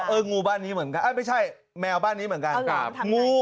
งูบ้านนี้เหมือนกันไม่ใช่แมวบ้านนี้เหมือนกัน